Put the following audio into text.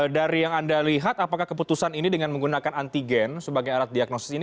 dari yang anda lihat apakah keputusan ini dengan menggunakan antigen sebagai alat diagnosis ini